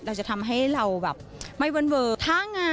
เราจะทำให้เราไม่เวิ่น